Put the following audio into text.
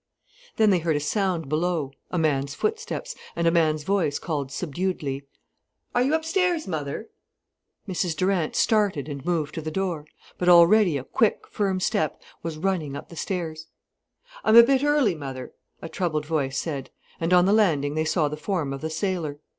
Then they heard a sound below, a man's footsteps, and a man's voice called subduedly: "Are you upstairs, mother?" Mrs Durant started and moved to the door. But already a quick, firm step was running up the stairs. "I'm a bit early, mother," a troubled voice said, and on the landing they saw the form of the sailor.